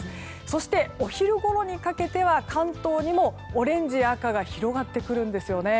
そして、お昼ごろにかけては関東にもオレンジや赤が広がってくるんですよね。